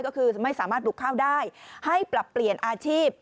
ก็คือไม่สามารถปลูกข้าวได้ให้ปรับเปลี่ยนอาชีพ